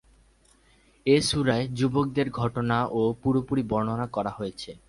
এ সূরায় যুবকদের ঘটনাও পুরোপুরি বর্ণনা করা হয়েছে।